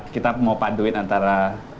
kita mau paduin antara